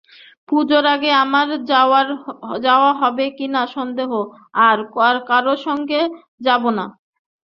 পুজোর আগে আমার যাওয়া হবে কি না সন্দেহ, আর কারো সঙ্গে যান না?